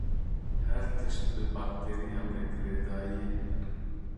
Her tişt bi bakteriyan ve girêdayî ye.